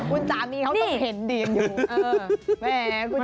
คุณสามีเขาต้องเห็นดีอยู่